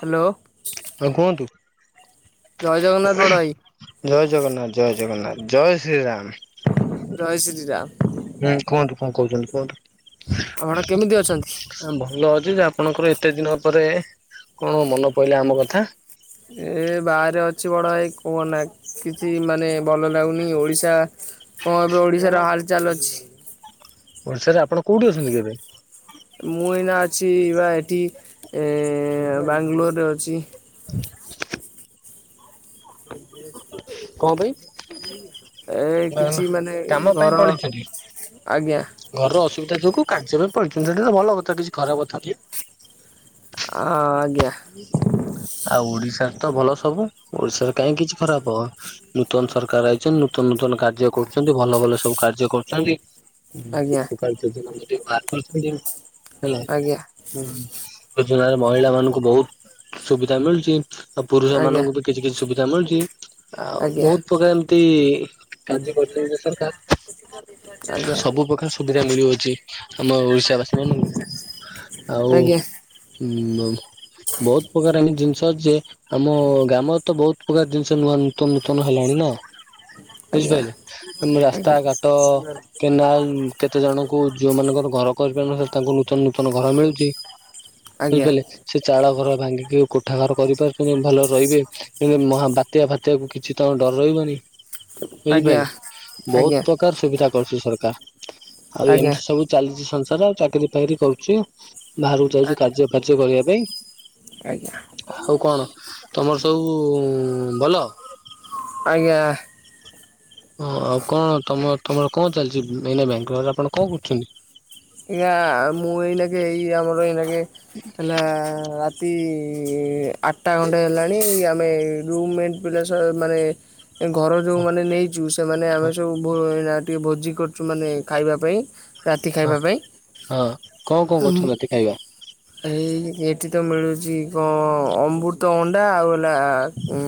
Hello. ହଁ କୁହନ୍ତୁ ଜଗନ୍ନାଥ ବଡ଼ ଭାଇ ଜୟ ଜଗନ୍ନାଥ ଜୟ ଜଗନ୍ନାଥ । ଜୟ ଶ୍ରୀ ରାମ । ଜୟ ଶ୍ରୀରାମ । ହୁଁ କୁହନ୍ତୁ କଣ କହୁଛନ୍ତି କୁହନ୍ତୁ? ଆପଣ କେମିତି ଅଛନ୍ତି? ଭଲ ଅଛି ଯେ ଆପଣଙ୍କର ଏତେ ଦିନ ପରେ କଣ ମନ ପଡିଲା ଆମ କଥା। ଏ ବାହାରେ ଅଛି ବଡ ଭାଇ କୁହନା କିଛି ମାନେ ଭଲ ଲାଗୁନି ଓଡିଶା । କଣ ଏବେ ଓଡିଶା ର ହାଲଚାଲ ଅଛି? ଓଡ଼ିଶା ରେ ଆପଣ କୋଉଠି ଅଛନ୍ତି କି ଏବେ? ମୁଁ ଏଇନା ଅଛି ବା ଏଠି ଏ ବାଙ୍ଗାଲୋର ରେ ଅଛି। କଣ ପାଇଁ? [unintelligible] ଏ ନା କିଛି ମାନେ କାମ ପାଇଁ ଘର । ପଳେଇଛନ୍ତି ଆଜ୍ଞା । ଯଦିଓ କୋଉ କାର୍ଯ୍ୟ ପାଇଁ ପଳେଇଛନ୍ତି ସେଠି ତ ଭଲ କଥା କିଛି ଖରାପ କଥା କି । ହଁ ଆଜ୍ଞା । ଆଉ ଓଡ଼ିଶା ରେ ତ ଭଲ ସବୁ ଓଡ଼ିଶା ରେ କାହିଁ କିଛି ଖରାପ ନୂତନ ସରକାର ଆଇଚନ୍ତି ନୂତନ । ନୂତନ କାର୍ଯ୍ୟ କରୁଚନ୍ତି ଭଲ ଭଲ ସବୁ କାର୍ଯ୍ୟ କରୁଚନ୍ତି । ଆଜ୍ଞା ହୁଁ ଉପାୟ ଯୋଜନା ଯେତିକ ବାହାର କରିଛନ୍ତି ହେଲା ଆଜ୍ଞା ହୁଁ । ଯୋଜନା ରେ ମହିଳା ମାନଙ୍କୁ ବହୁତ ସୁବିଧା ମିଳୁଛି ଆଉ ପୁରୁଷ ଆଜ୍ଞା ମାନଙ୍କୁ ବି କିଛି କିଛି ସୁିବି ବିଧା ମିଳୁଛି ଆଉ ବହୁତ ପ୍ରକାର ଏମତି । ବୀମା ଯୋଜନା ପ୍ରାକୃତିକ । ସବୁ ପ୍ରକାର ସୁବିଧା ମିଳୁଅଛି ଆମ ଓଡ଼ିଶା ବାସୀ ମାନଙ୍କୁ । ଆଉ ଆଜ୍ଞା । ବହୁ ବହୁତ ପ୍ରକାର ଏମିତି ଜିନିଷ ଅଛି ଯେ ପ୍ରକାର ଜିନିଷ ନୂଆ ନୂତନ ନୂତନ ହେଲାଣି ନା ବୁଝିପାରିଲେ ମ ରାସ୍ତା ଆଜ୍ଞା ଆଜ୍ଞା କେନାଲ କେତେ ଜଣଙ୍କୁ ଯୋଉଁ ମାନଙ୍କର ଘର କରିପାରୁନଥିଲେ ତାଙ୍କୁ ନୂତନ ନୂତନ ଘର ମିଳୁଛି । ଆଜ୍ଞା ବୁଝିପାରିଲେ ସେ ଚାଳଘର ଭାଙ୍ଗି କୋଠା ଘର କରିପାରୁଚନ୍ତି ଭଲରେ ରହିବେ କିନ୍ତୁ ମହା ବାତ୍ୟା ଫତ୍ୟାକୁ କିଛି ଡର ରହିବନି । ଆଜ୍ଞା ବୁଝିପାରିଲେ ଆଜ୍ଞା ବହୁତ ପ୍ରକାର ସୁବିଧା କରୁଚି ସରକାର ଆଉ ଆଜ୍ଞା ଏମିତି ସବୁ ଚାଲିଛି ସଂସାର ଆଉ ଚାକିରି ଫକିରି କରୁଚି ବାହାରକୁ ଯାଉଚି ଆଜ୍ଞା କାର୍ଯ୍ୟ ଫାର୍ଯ୍ୟ କରିବା ପାଇଁ ଆଜ୍ଞା । ଆଉ କଣ ତମର ସବୁ ଭଲ? ଆଜ୍ଞା । ହଁ ଆଉ କଣ ତମ ତମର କଣ ଚାଲିଚି ଏଇନା ବାଙ୍ଗାଲୋର ରେ ଆପଣ କଣ କରୁଚନ୍ତି? ନା ମୁଁ ଏଇ ନେକି ଏଇ ଆମର ଏଇ ନେକି ହେଲା ରାତି ଆଠଟା ଘଣ୍ଟେ ହେଲାଣି ଆମେ ରୁମ୍ ମେଟ ପିଲା ସହ ମାନେ ଏ ଘର ଯୋଉ ମାନେ ନେଇଚୁ ସେମାନେ ଆମେ ସବୁ ଟିକେ ଭୋଜି କରୁଚୁ ମାନେ ଖାଇବା ପାଇଁ ରାତି ହଁ ଖାଇବା ପାଇଁ ହୁଁ ହଁ କଣ କଣ କରୁଛନ୍ତି ରାତି ଖାଇବା ଏଇ ଟି ତ ମିଳୁଚି କଣ ଅମୃତ ଭଣ୍ଡା ଆଉ ହେଲା ଉ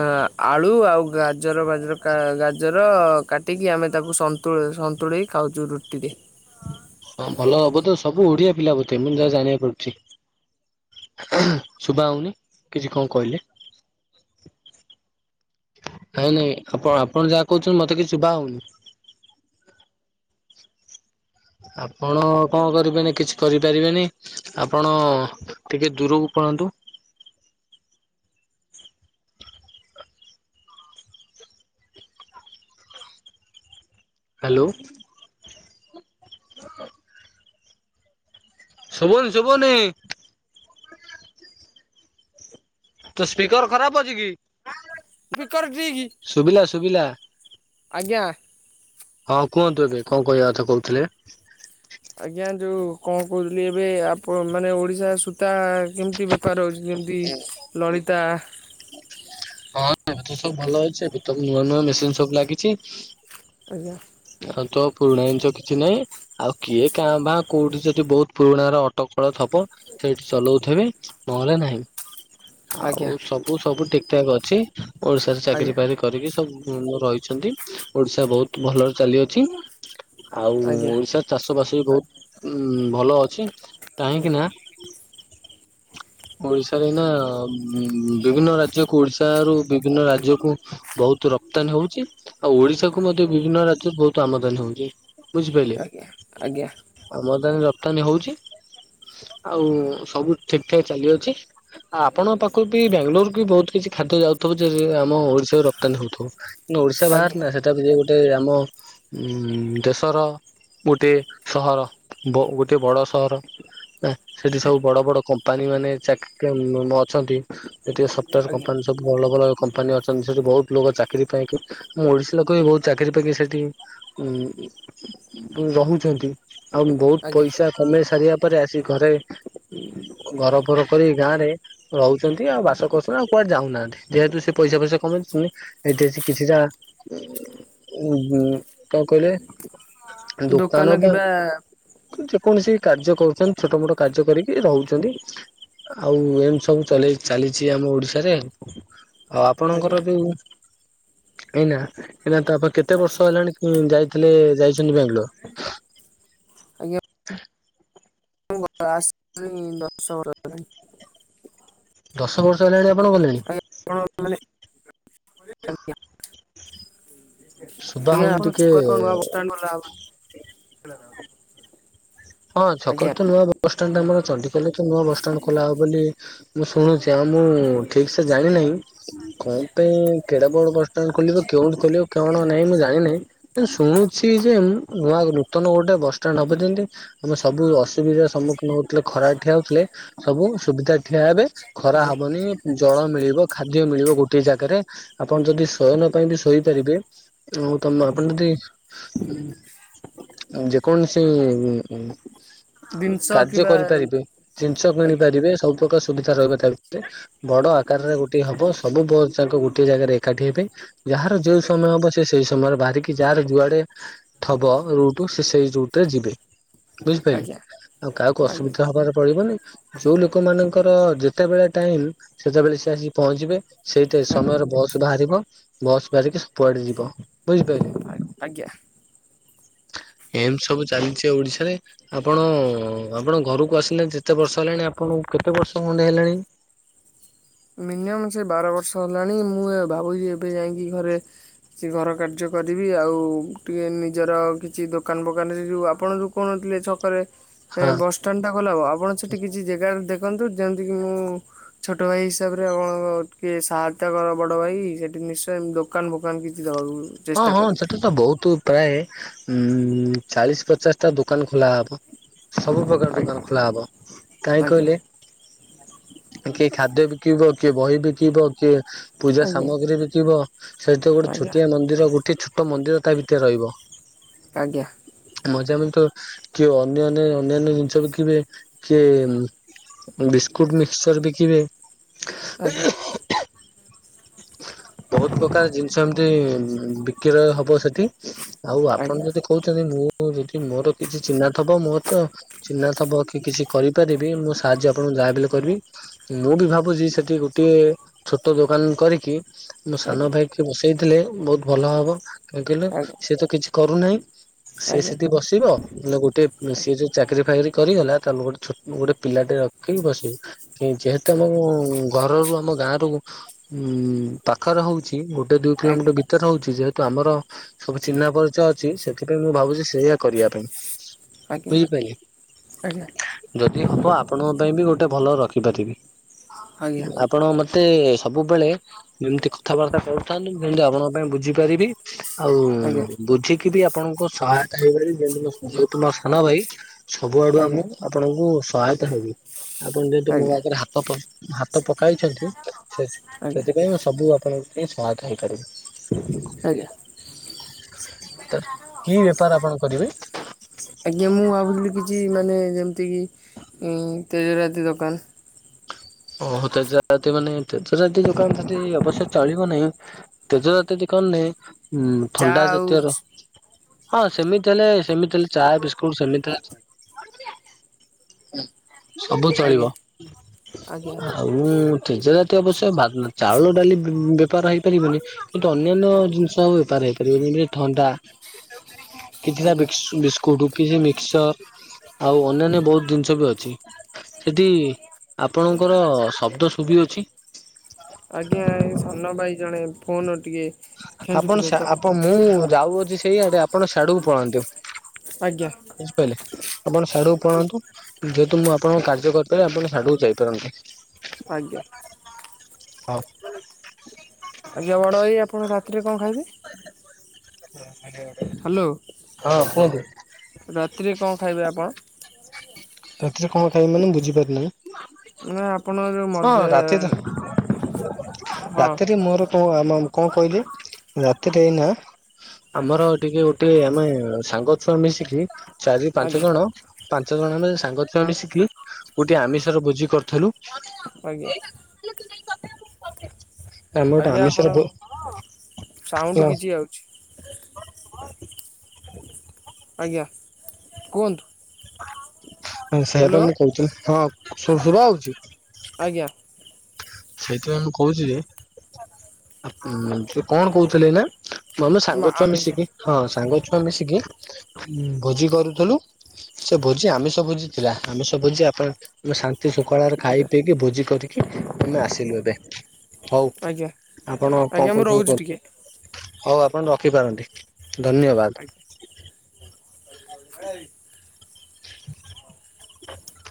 ଅ ଆଳୁ ଆଉ ଗାଜର ବାଜର ଗାଜର କାଟିକି ଆମେ ତାକୁ ସନ୍ତୁଳା ସନ୍ତୁଳେଇ ଖାଉଚୁ ରୁଟିରେ ହଁ ଭଲ ହବ ତ ସବୁ ଓଡ଼ିଆ ପିଲା ବୋଧେ ମୁଁ ଯହା ଜାଣିବାକୁ ପାଉଚି। ଶୁଭାଯାଉନି କିଛି କଣ କହିଲେ? ନାଇଁ ନାଇଁ ଆପଣ ଆପଣ ଯାହା କହୁଚନ୍ତି ମତେ କିଛି ଶୁଭା ଯାଉନି । ଆପଣ କଣ କରିବେନି କିଛି କରିପାରିବେନି ଆପଣ ଟିକେ ଦୂରକୁ ପଳାନ୍ତୁ । [inaudible] ହାଲୋ । [inaudible] ଶୁଭୁନି ଶୁଭୁନି । ତ ସ୍ପିକର ଖରାପ ଅଛି କି? ସ୍ପିକର ଠିକ୍ ଶୁଭିଲା ଶୁଭିଲା ଆଜ୍ଞା। ହଁ । କୁହନ୍ତୁ ଏବେ କଣ କହିବା କଥା କହୁଥିଲେ । ଆଜ୍ଞା ଯୋଉ କଣ କହୁଥିଲି ଏବେ ଆପଣ ମାନେ ଓଡ଼ିଶା ସୂତା କେମିତି ବେପାର ହେଉଚି ଯେମିତି ନଳିତା ହଁ ଏ ସବୁ ଭଲ ଅଛି ଏବେ ନୂଆ ନୂଆ ମେସିନ ସବୁ ଲାଗିଚି। ଆଜ୍ଞା । ଆଉ ତ ପୁରୁଣା ଜିନିଷ କିଛି ନାହିଁ ଆଉ କିଏ କାଁ ଭାଁ କୋଉଠି ଯଦି ବହୁତ ପୁରୁଣ ର ଅଟକଳ ଦେବ ସେଠି ଚଲଉଥିବେ ନହେଲେ ନାହିଁ । ଆଜ୍ଞା ଆଉ ସବୁ ସବୁ ଠିକଠାକ ଅଛି ଓଡ଼ିଶାରେ ଆଜ୍ଞା ଚାକିରିୀ ଫାକିରି କରିକି ସବୁ ରହିଚନ୍ତି ଓଡ଼ିଶା ବହୁତ ଭଲରେ ଚାଲିଅଛି ଆଉ ଆଜ୍ଞା ଓଡ଼ିଶା ଚାଷ ବସିକି ବହୁତ ଉ ଭଲ ଅଛି କାହିଁକି ନା ଓଡିଶାରେ ଏ ନା ବିଭିନ୍ନ ରାଜ୍ୟକୁ ଓଡିଶା ରୁ ବିଭିନ୍ନ ରାଜ୍ୟକୁ ବହୁତ ବହୁତ ରପ୍ତାନ ହଉଚି ଆଉ ଓଡିଶା କୁ ମଧ୍ୟ ବିଭିନ୍ନ ରାଜ୍ୟରେ ବହୁତ ଆମଦାନୀ ହଉଚି। ଆଜ୍ଞା ଆଜ୍ଞା ଆମଦାନୀ ରପ୍ତାନୀ ହଉଚି ଆଉ ସବୁ ଠିକ୍ ଠାକ୍ ଚାଲିଅଛି। ଆପଣଙ୍କ ପାଖରୁ ବି ବାଙ୍ଗାଲୋର ବି ବହୁତ କିଛି ଖାଦ୍ୟ ଯାଉଥିବ ଯେ ଆମ ଓଡିଶା ରପ୍ତାନୀ ହଉଥିବ। ଓଡିଶା ବାହହାର ଆଜ୍ଞା ନା ସେଟାକୁ ଯ ଗୋଟେ ଆମ ଉ ଦେଶର ଗୋଟିଏ ସେଠି ସବୁ ବଡ ବଡ କମ୍ପାନୀ ମାନେ ଚାକି ମ ଅଛନ୍ତି ଯେଠି ସଫ୍ଟାର ଆଜ୍ଞା କମ୍ପାନୀ ସବୁ ଭଲ ଭଲ କମ୍ପାନୀ ଅଛନ୍ତି ସେଠି ବହୁତ ଲୋକ ଚାକିରି [unintelligible] କ ବହୁତ ଚାକିରି ପାକିରି ସେଠି ଉ ରହୁଛନ୍ତି। ଆଉ ବହୁତ ଆଜ୍ଞା ପଇସା କମେଇ ସାରିବା ପରେ ଆସି ଘରେ ଘର ଫର କରି ଗାଁ ରେ ରହୁଛନ୍ତି, ଆଉ ବାସ କରୁଛନ୍ତି ଆଉ କୁଆଡେ ଯାଉନାହାନ୍ତି। ଯେହେତୁ ସେ ପଇସା ଫଇସା କମେଇ ଦଉଛନ୍ତି ଏଠି ଆସି କିଛିଟା ଉ ଗୁଁ କଣ କହିଲେ, ଦୋକାନ ପା ଯେକୌଣସି କାର୍ଯ୍ୟ କରୁଛନ୍ତି ଛୋଟ ମୋଟ କାର୍ଯ୍ୟ କରିକି ରହୁଛ ଏମତି, ଆଉ ଏମତି ସବୁ ଚଲେଇ ଚାଲିଛି ଆମ ଓଡିଶାରେ। ଆଉ ଆଜ୍ଞା ଆପଣଙ୍କର ଯୋଉ ଏଇନା ହେଲା ତା ବାପା କେତେ ବର୍ଷ ଆଜ୍ଞା ହେଲାଣି ଯାଇଥିଲେ ଯାଇଛନ୍ତି ବାଙ୍ଗଲୋର? [unintelligible] ମୁ ଆସ ଦଶ ବର୍ଷ ହେଇଗଲାଣି। ଦଶ ବର୍ଷ ହେଲାଣି ଆପଣ ଗଲେଣି? ଆପଣ ମାନେ ଆଜ୍ଞା। ଶୁଭା ଆଜ୍ଞା ହଉନି ଆପଣ ଟିକେ [unintelligible] ନୁଆ ବସ୍ ଷ୍ଟାଣ୍ଡ ଖୋଲା ହବନି। ହଁ ଛକର ଆଜ୍ଞା। ତ ନୂଆ ବସଷ୍ଟାଣ୍ଡ ଆମର ଚଣ୍ଡିିଖୋଲରେ ତ ନୂଆ ବସଷ୍ଟାଣ୍ଡ ଖୋଲା ହବ ବୋଲି ମୁଁ ଶୁଣୁଛି। ତ ମୁଁ ଠିକ ସେ ଜାଣିନାହିଁ କଣ ପାଇଁ କେଡ଼ା ବଡ଼ ବସଷ୍ଟାଣ୍ଡ ଖୋଲିବ କେଉଁଠି ଖୋଲିବ କଣ ନାହିଁ ମୁଁ ଜାଣିିନହିଁ ଶୁଣୁଛି ଯେ ନୂଆ ନୂତନ ଗୋଟେ ବସଷ୍ଟାଣ୍ଡ ହବ ଯେମତି ଆମେ ସବୁ ଅସୁବିଧାର ସମ୍ମୁଖୀନ ହଉଥିଲେ ଖରା ରେ ଠିଆ ହଉଥିଲେ ସବୁ ସୁବିଧାରେ ଠିଆ ହେବେ ଖରା ହବ ହବନି, ଜଳ ମିଳିବ, ଖାଦ୍ୟ ମିଳିବ ଗୋଟେ ଗୋଟେ ଜାଗାରେ ଆପଣ ଯଦି ଶୟନ ପାଇଁ ବି ଶୋଇପାରିବେ। ହଉ ତମ ଆପଣ ଆଜ୍ଞା। ଯଦି ଯେକୌଣସି ଉ-ଉ ଜିନିଷ କାର୍ଯ୍ୟ କିମ୍ବା କରିପାରିବେ ଜିନିଷ କିଣି ଆଜ୍ଞା ପାରିବେ ସବୁ ପ୍ରକାର ସ ସୁବିଧା ରହିବ ତା ଭିତରେ, ବଡ ଆକାରରେ ଗୋଟେ ହବ ସବୁ ବସ ଯାଙ୍କ ଗୋଟଏ ଜାଗାରେ ଏକାଠି ହେବେ। ଯାହାର ଯୋଉ ସମୟ ହବ ସେ ସେଇ ସମୟରେ ବାହାରିକି ଯାହାର ଯୁଆଡେ ଥବ ରୁଟ ସେଇ ରୁଟରେ ଯିବେ। ବୁଝିପାରିଲେ, ଆଜ୍ଞା ଆଉ କାହାକୁ ଆଜ୍ଞା ଅସୁବିଧା ହବାରେ ପଡିବନି। ଯୋଉ ଲୋକ ମାନଙ୍କର ଯେତେବେଳେ ଟାଇମ ସେତେବେଳେ ସେ ଆସିିକି ପହଞ୍ଚିବେ। ସେଇଟା ଆଜ୍ଞା ସମୟରେ ବସ୍ ବାହାରିବ, ବସ୍ ବାହାରିକି କୁଆଡେ ଯିବ ଆ- ଆଜ୍ଞା। ବୁଝିପାରିଲେ। ଏମ ସବୁ ଚାଲିଛି ଓଡିଶାରେ, ଆପଣ ଆପଣ ଘରକୁ ଆସିଲେ ଯେତେ ବର୍ଷ ହେଲାଣି ଆପଣ କେତେ ବର୍ଷ ଖଣ୍ଡେ ହେଲାଣି? ମିନିମମ୍ ସେ ବାର ବର୍ଷ ହେଲାଣି ମୁଁ ଏ ଭାବୁଛି ଏବେ ଯାଇକି ଘରେ ସେ ଘର କାର୍ଯ୍ୟ କରିବି ଆଉ ଟିକେ ନିଜର କିଛି ଦୋକାନ ଫୋକାନରେ ସେ ଯଉ ଆପଣ ଯଉ କହୁନାହାନ୍ତି ଛକରେ ହଁ ବସଷ୍ଟାଣ୍ଡ ଟା ଖୋଲା ହବ ଆପଣ ସେଠି କିଛି ଜାଗାରେ ଦେ ଦେଖନ୍ତୁ ଯେମିତି କି ମୁଁ ଛୋଟ ଭାଇ ହିସାବରେ ଆପଣଙ୍କ ଟିକେ ସହାୟତା କର ବଡ ଭାଇ ସେଠିକି ନିଶ୍ଚୟ ଦୋକାନ ଫୋକାନ କିଛି ଦବାକୁ ହଁ ଚେଷ୍ଟା ହଁ କରିବି ସେଠା ତ ବହୁତ ପ୍ରାୟ ଉଁ ଚାଳିଶ ପଚାଶ ଟା ଦୋକାନ ଖୋଲା ହବ। ସବୁ ପ୍ରକାର ଆଜ୍ଞା ଦୋକାନ ଖୋଲା ହବ କାହିଁ ଆଜ୍ଞା କହିଲେ। କିଏ ଖାଦ୍ୟ ବିକିବ କିଏ ବହି ବିକିବ କିଏ ପୂଜା ଆଜ୍ଞା ସାମଗ୍ରୀ ବି ଥିବ ସେହିତ ଗୋଟେ ଆଜ୍ଞା ଛୋଟିଆ ମନ୍ଦିର ଗୋଟେ ଛୋଟ ମ ମନ୍ଦିର ତା ଭିତରେ ରହିବ, ଆଜ୍ଞା। ମଜାମ ତ କି ଅନ୍ୟନ୍ୟ ଅନ୍ୟାନ୍ୟ ଜିନିଷ ବଖିବେ କିଏ ବିସ୍କୁଟ ମିକ୍ସଚର ବିକିବେ। ଆଜ୍ଞା। ବହୁତ ପ୍ରକାର ଜିନିଷ ଏମିତି ବିକ୍ରୟ ହବ ସେଠି। ଆଉ ଆପଣ ଆଜ୍ଞା ଯଦି କହୁଛନ୍ତି ମୁଁ ମୁଁ ଯଦି ମୋର କିଛି ଚିହ୍ନା ଥବ ମୋର ତ ଚିହ୍ନା ଥବ କି କିଛି କରିପାରିବି। ମୁଁ ସାହାଯ୍ୟ ଆପଣଙ୍କୁ ଯାହାବି ହେଲେ କରିବି ମୁଁ ବି ଭାବୁଚି ସେଠି ଗୋଟିଏ ଛୋଟ ଦୋକାନ କରି କି ମୋ ସାନ ଆଜ୍ଞା ଭାଇ କି ବସେଇଥିଲେ ବହୁତ ଭଲ ହବ। କାହିଁକି କହିଲ ସିଏ ତ କିଛି କରୁନାହିଁ ଆଜ୍ଞା ସିଏ ଆଜ୍ଞା ସେଠି ବସିବ ମୁଁ ଗୋଟେ ଉଁ, ସିଏ ଯୋଉ ଚାକିରି ଫାକିରି କରିଗଲା ତାହେଲେ ଗୋଟେ ଛୋ ଗୋଟେ ପିଲାଟେ ରଖିକି ବସିବି। ମୁଁ ଯେହେତୁ ଆମ ଘରରୁ ଆମ ଗାଁ ରୁ ଉଁ, ପାଖର ହଉଛି ଗୋଟେ ଦୁଇ କିଲୋମିଟର ଆଜ୍ଞା ଭିତରେ ହଉଛି ଯେହେ ତ ଆମର ସବୁ ଚିହ୍ନା ପରିଚୟ ଅଛି ସେଥିପାଇଁ ମୁଁ ଭାବୁଚି ସେଇୟା କରିବା ପାଇଁ। ଆଜ୍ଞା ବୁଝିପାଇଲେ ଆଜ୍ଞା ଯଦି ହବ ଆପଣଙ୍କ ପାଇଁ ବି ଗୋ ଟେ ଭଲ ରଖିପାରିବି। ଆଜ୍ଞା ଆଜ୍ଞା ଆପଣ ମୋତେ ବୁବେଳେ ଏମିତି କଥାବାର୍ତ୍ତା କରୁଥାନ୍ତୁ ମୁଁ ସେମତି ଆପଣଙ୍କ ପାଇଁ ବୁଝିପାରିବି। ଆଉ ଆଜ୍ଞା ଆଜ୍ଞା। ବୁଝିକି ବି ଆପଣଙ୍କ ସହାୟତା ହେଇପାରିବି ଯେହତୁ ମୋ ସାନ ଭାଇ। ସବୁଆଡୁ ଆମ ଆପଣଙ୍କୁ ସହାୟତା ହେବି। ଆପଣ ଯହେତୁ ମୋ ଆଗରେ ହାତ ପ-ହା ତ ପକାଇଛନ୍ତି ସେ ଆଜ୍ଞା ସେଥିପାଇଁ ମୁଁ ସବୁ ଆପଣଙ୍କ ପାଇଁ ସହାୟତା ହେଇପାରିବି। ଆଜ୍ଞା। ତ କି ବେପାର ଆପଣ କରିବେ? ଆଜ୍ଞା, ମୁଁ ଭାବୁଥିଲି କି କି ମାନେ ଯେମିତି କି ଅଁ, ତେଜରାତି ଦୋକାନ ଓହୋ! ତେଜରାତି ମାନେ ତେଜରାତି ଦୋକାନ ସେଠି ଅବଶ୍ୟ ଚଳିବ ନାହିଁ। ତେଜରାତି ଦୋ କନେ ଉଁ ଚା ଥଣ୍ଡା ଆଉ ଜାତୀୟର ହଁ ସେମିତି ହେଲେ ସେମିତି ହେଲେ ଚା ବିସ୍କୁଟ୍ ସେମିତି ହେଲେ ଚଳିବ। ସବୁ ଚଳିବ। ଆଜ୍ଞା ଆଜ୍ଞା ଆଉ ତେଜରା ତି ଅବଶ୍ୟ ବା-ଉଁ, ଚାଉଳ ଡାଲି ବୁ-ଉଁ, ବେପାର ହେଇପାରିବନି। କିନ୍ତୁ ଅନ୍ୟାନ୍ୟ ଜିନିଷ ବେପାର ହେଇପାରିବ ବି ଲି ଥଣ୍ଡା [inaudible] କିଛି ଟା ବିସୁ ବିସ୍କୁଟୁ। କିଛି ମିକ୍ସଚର୍, ଆଉ ଅନ୍ୟାନ୍ୟ ବହୁତ ଜିନିଷ ବି ଅଛି। ସେଠି ଆ ଆପଣଙ୍କର ଶବ୍ଦ ଶୁଭି ଅଛି। ଆଜ୍ଞା, ଏଇ ସାନ ଭାଇ ଜଣେ ଫୋନ୍ ଆପଣ ସେ ଆପଣ ମୁଁ ଯାଉଅଛି ସେଇ ଆଡେ ଆପଣ ସାଡକୁ ପଳାନ୍ତୁ। ଆଜ୍ଞା। ବୁଝିପାରିଲେ ଆପଣ ସାଡକୁ ପଳାନ୍ତୁ ଯେହେତୁ ମୁଁ ଆପଣଙ୍କ କାର୍ଯ୍ୟ କରିପାରିବି ଆପଣ ସାଡକୁ ଯାଇପାରନ୍ତି। ଆଜ୍ଞା। ହଁ। ଆଜ୍ଞା, ବଡ଼ ଭାଇ ଆପଣ ରାତିରେ କଣ ଖାଇବେ? ହାଲୋ, ହଁ କୁହନ୍ତୁ। ରାତିରେ କଣ ଖାଇବେ ଆପଣ? ରାତିରେ କଣ ଖାଇବି ମାନେ ବୁଝି ପାରି ନାଇ। ନା ଆପଣଙ୍କ ଯୋଉ ମଦ୍ୟ ରାତିରେ ରେ ରାତିରେ ମୋର କଣ ଆ, ମ-କଣ କହିଲେ ରାତିରେ ଏଇନା ଆମର ଟିକେ ଗୋଟିଏ ଆମେ ସାଙ୍ଗ ଛୁଆ ମିଶିକି ଚାରି ପାଞ୍ଚ ଆଜ୍ଞା ଜଣ ପାଞ୍ଚ ଜଣ ଆମେ ସାଙ୍ଗ ଛୁଆ ମିଶିକି ଗୋଟେ ଆମିଷର ଭୋଜି କରିଥିଲୁ। ଆଜ୍ଞା। ଆମେ ଗୋଟେ ଆଜ୍ଞା ଆପଣ ଆମିଷର ଭୋ, ସାଉଣ୍ଡ କିଛି ଆଉଛି [unintelligible] [unintelligible] ଆଜ୍ଞା, କୁହନ୍ତୁ। ହଁ ସେଇଆା ତ ହ୍ୟାଲୋ ମୁଁ କହୁଥିଲି। ହଁ, ଶୁ-ଶୁଭା ହଉଛି? ଆଜ୍ଞା। ସେଇଥିପାଇଁ ମୁଁ କହୁଚି ଯେ। ଉଁ, ସେ କଣ କହୁଥିଲେ ହେଲା? ଆମେ ସାଙ୍ଗ ଛୁଆ ଆମିଷ ମିଶିକି ହଁ ସାଙ୍ଗ ଛୁଆ ମିଶିକି ଉଁ, ଭୋଜି କରୁଥିଲୁ ।ସେ ଭୋଜି ଆମିଷ ଭୋଜି ଥିଲା। ଆମିଷ ଭୋଜି [unintelligible] ଆମେ ଶାନ୍ତି ଶୁଙ୍ଖଳାରେ ଖାଇ ଆଜ୍ଞା ପିଇକି ଭୋଜି କରିକି ଆମେ ଆସିଲୁ ଏବେ। ହଉ। ଆଜ୍ଞା ଆପଣ କଣ ଆଜ୍ଞା ମୁଁ କହୁଛନ୍ତି ରହୁଛି ଟିକେ କୁହନ୍ତୁ। ହୋଉ ଆପଣ ରଖିପାରନ୍ତି ଧନ୍ୟବାଦ। ଆଜ୍ଞା [inaudible]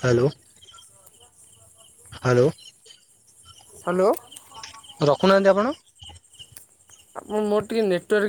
ହ୍ୟାଲୋ, ହ୍ୟାଲୋ। ହ୍ୟାଲୋ। ରଖୁନାହାନ୍ତି ଆପଣ। ଆପଣ ମୋର ଟିକେ ନେଟୱର୍କ୍।